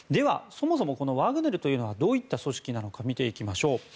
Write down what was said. そもそもワグネルというのはどういった組織なのか見ていきましょう。